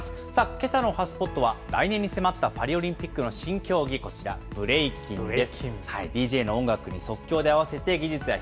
けさのおはＳＰＯＴは、来年に迫ったパリオリンピックの新競技、こちら、ブレイキンです。